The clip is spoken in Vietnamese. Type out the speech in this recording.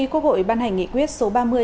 quốc hội ban hành nghị quyết số ba mươi